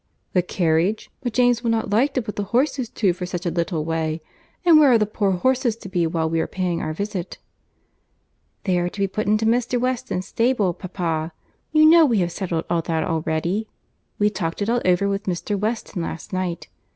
"The carriage! But James will not like to put the horses to for such a little way;—and where are the poor horses to be while we are paying our visit?" "They are to be put into Mr. Weston's stable, papa. You know we have settled all that already. We talked it all over with Mr. Weston last night.